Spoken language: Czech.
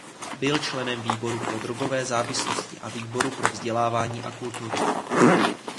Byl členem výboru pro drogové závislosti a výboru pro vzdělávání a kulturu.